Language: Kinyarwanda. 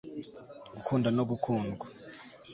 gukunda no gukundwa